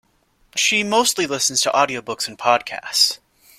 She mostly listens to audiobooks and podcasts